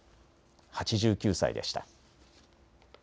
８９歳でした。